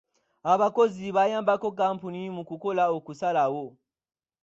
Abakozi bayambako kkampuni mu kukola okusalawo.